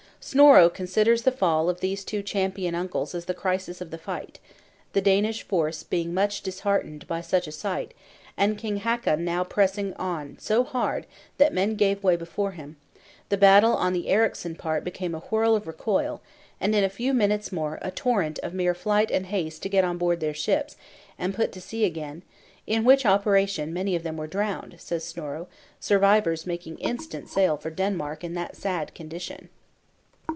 Snorro considers the fall of these two champion uncles as the crisis of the fight; the Danish force being much disheartened by such a sight, and King Hakon now pressing on so hard that all men gave way before him, the battle on the Ericson part became a whirl of recoil; and in a few minutes more a torrent of mere flight and haste to get on board their ships, and put to sea again; in which operation many of them were drowned, says Snorro; survivors making instant sail for Denmark in that sad condition.